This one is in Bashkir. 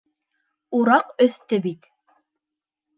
Ураҡ өҫтө бит!